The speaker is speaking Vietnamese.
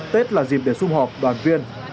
tết là dịp để xung họp đoàn viên